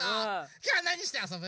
きょうはなにしてあそぶ？